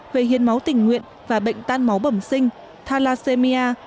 về hiến máu tình nguyện và bệnh tan máu bẩm sinh thalacemia